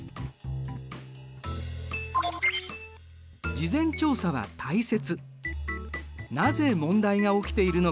「事前調査」は大切。